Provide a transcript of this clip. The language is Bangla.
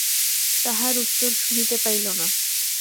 তাহার উত্তর শুনিতে পাইল না।